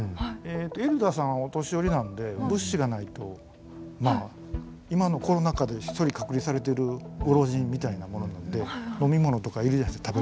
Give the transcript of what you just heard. エルダーさんはお年寄りなので物資がないとまあ今のコロナ禍で一人隔離されてるご老人みたいなものなので飲み物とか要るじゃないですか。